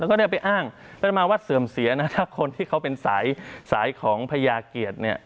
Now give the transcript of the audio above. แล้วก็ได้ไปอ้างแล้วมาวัดเสื่อมเสียนะถ้าคนที่เขาเป็นสายสายของพญาเกียรติเนี่ย